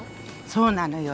そうなのよ。